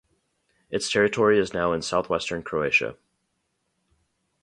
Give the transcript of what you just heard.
Its territory is now in southwestern Croatia.